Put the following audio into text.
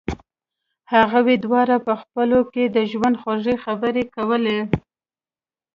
هغوی دواړو په خپلو کې د ژوند خوږې خبرې کولې